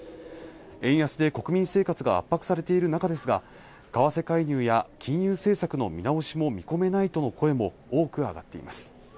円安で国民生活が圧迫されている中ですが為替介入や金融政策の見直しも見込めないとの声も多く上がっています